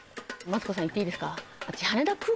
マツコさん言っていいですか？